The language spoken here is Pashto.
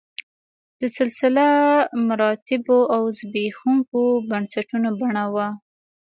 د سلسله مراتبو او زبېښونکو بنسټونو بڼه وه